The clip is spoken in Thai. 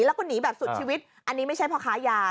แล้วก็หนีแบบสุดชีวิตอันนี้ไม่ใช่พ่อค้ายา